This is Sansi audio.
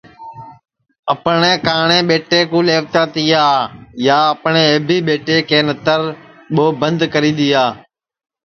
اپٹؔے کاٹؔے ٻیٹے کُو لئیوتا تیا یا اپٹؔے ائبی ٻیٹے کے نتر ٻو بند کری دؔیا